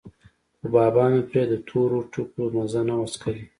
خو بابا مې پرې د تورو ټکو مزه نه وڅکلې.